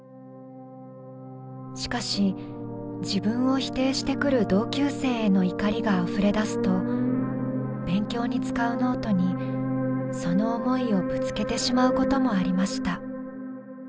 しかし自分を否定してくる同級生への怒りがあふれ出すと勉強に使うノートにその思いをぶつけてしまうこともありました。